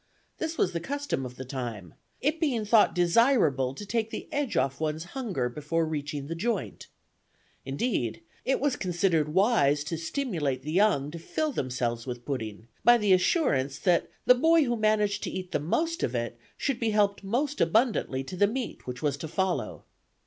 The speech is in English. This was the custom of the time, it being thought desirable to take the edge off one's hunger before reaching the joint. Indeed, it was considered wise to stimulate the young to fill themselves with pudding, by the assurance that the boy who managed to eat the most of it should be helped most abundantly to the meat, which was to follow.